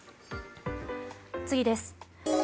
次です。